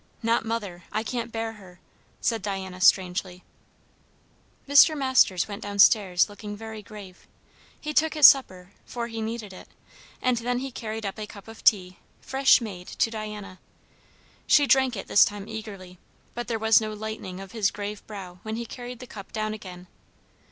Not mother. I can't bear her" said Diana strangely. Mr. Masters went down stairs looking very grave. He took his supper, for he needed it; and then he carried up a cup of tea, fresh made, to Diana. She drank it this time eagerly; but there was no lightening of his grave brow when he carried the cup down again.